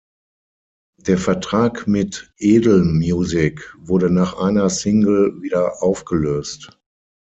Der Vertrag mit Edel Music wurde nach einer Single wieder aufgelöst.